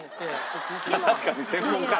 確かに専門家だ。